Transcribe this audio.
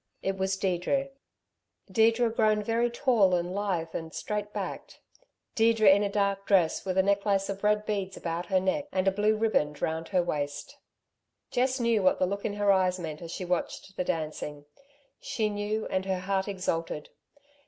It was Deirdre Deirdre grown very tall and lithe and straight backed Deirdre in a dark dress with a necklace of red beads about her neck and a blue ribband round her waist. Jess knew what the look in her eyes meant as she watched the dancing; she knew and her heart exulted.